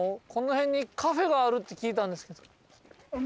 この辺にカフェがあるって聞いたんですけど。